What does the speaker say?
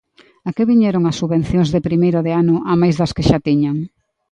¿A que viñeron as subvencións de primeiro de ano amais das que xa tiñan?